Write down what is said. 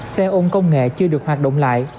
xe ôn công nghệ chưa được hoạt động lại